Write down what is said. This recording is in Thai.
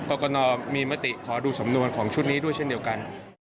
กรกนมีมติขอดูสำนวนของชุดนี้ด้วยเช่นเดียวกัน